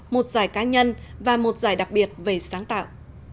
một giải cá nhân và một giải đặc biệt về sáng tạo